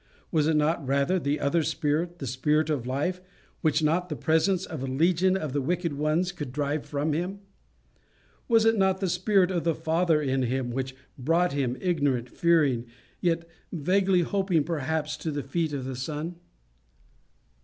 Was it not rather the other spirit, the spirit of life, which not the presence of a legion of the wicked ones could drive from him? Was it not the spirit of the Father in him which brought him, ignorant, fearing, yet vaguely hoping perhaps, to the feet of the Son?